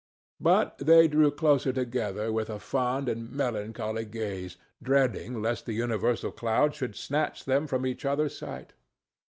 But they drew closer together with a fond and melancholy gaze, dreading lest the universal cloud should snatch them from each other's sight.